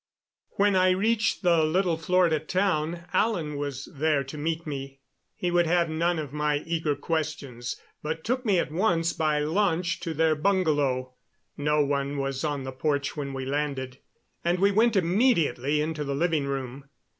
When I reached the little Florida town Alan was there to meet me. He would have none of my eager questions, but took me at once by launch to their bungalow. No one was on the porch when we landed, and we went immediately into the living room.